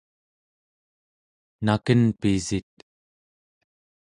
naken pisit?